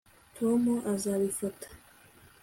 tom azabifata